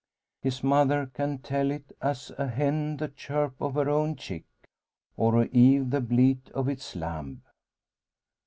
His mother can tell it, as a hen the chirp of her own chick, or a ewe the bleat of its lamb.